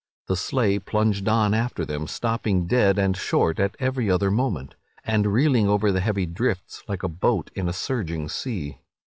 The sleigh plunged on after them, stopping dead and short at every other moment, and reeling over the heavy drifts like a boat in a surging sea.